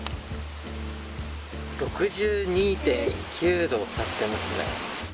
６２．９度になっていますね。